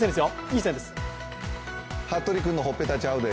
ハットリ君のほっぺたちゃうで。